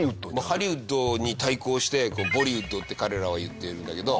ハリウッドに対抗してボリウッドって彼らは言っているんだけど。